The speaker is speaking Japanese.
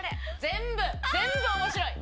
全部全部面白い。